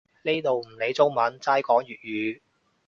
呢度唔理中文，齋講粵語